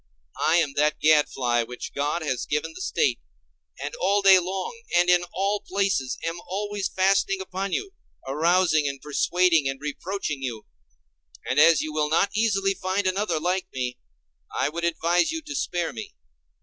I am that gadfly which God has given the State and all day long and in all places am always fastening upon you, arousing and persuading and reproaching you. And as you will not easily find another like me, I would advise you to spare me.